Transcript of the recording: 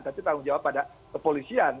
tapi tanggung jawab pada kepolisian